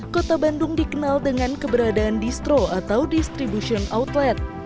kota bandung dikenal dengan keberadaan distro atau distribution outlet